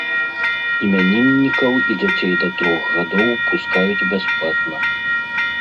Імяніннікаў і дзяцей да трох гадоў пускаюць бясплатна.